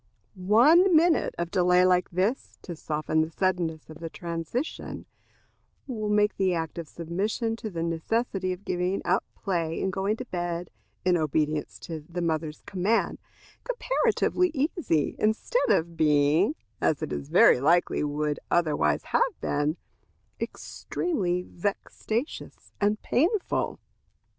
One minute of delay like this, to soften the suddenness of the transition, will make the act of submission to the necessity of giving up play and going to bed, in obedience to the mother's command, comparatively easy, instead of being, as it very likely would otherwise have been, extremely vexatious and painful.